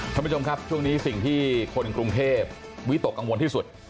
ท่านผู้ชมครับช่วงนี้สิ่งที่คนกรุงเทพวิตกกังวลที่สุด